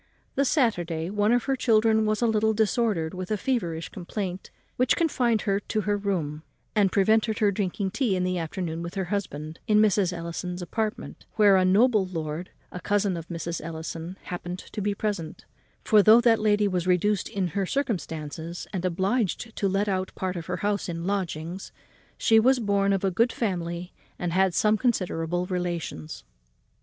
The Saturday, one of her children was a little disordered with a feverish complaint which confined her to her room, and prevented her drinking tea in the afternoon with her husband in Mrs. Ellison's apartment, where a noble lord, a cousin of Mrs. Ellison's, happened to be present; for, though that lady was reduced in her circumstances and obliged to let out part of her house in lodgings, she was born of a good family and had some considerable relations.